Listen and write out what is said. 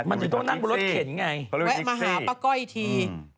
มันอยู่ต้องนั่งบนรถเข็นไงเขาเรียกว่าอิกซี่เขาเรียกว่าอิกซี่